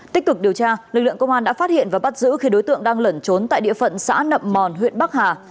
tích cực điều tra lực lượng công an đã phát hiện và bắt giữ khi đối tượng đang lẩn trốn tại địa phận xã nậm mòn huyện bắc hà